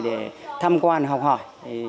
để tham quan học hỏi